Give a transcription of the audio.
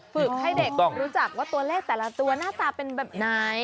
ฝึกให้เด็กรู้จักว่าตัวเลขแต่ละตัวหน้าตาเป็นแบบไหน